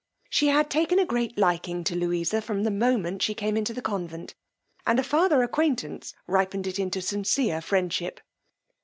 She had taken a great liking to Louisa from the moment she came into the convent, and a farther acquaintance ripened it into a sincere friendship.